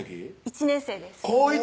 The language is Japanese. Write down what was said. １年生です高１？